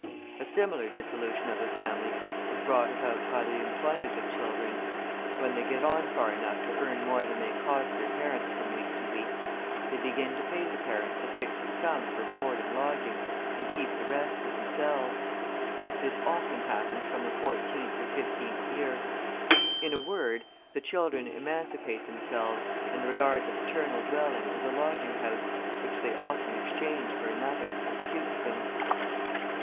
A similar dissolution of the family is brought about by the employment of the children. When they get on far enough to earn more than they cost their parents from week to week, they begin to pay the parents a fixed sum for board and lodging, and keep the rest for themselves. This often happens from the fourteenth or fifteenth year. In a word, the children emancipate themselves, and regard the paternal dwelling as a lodging house, which they often exchange for another, as suits them.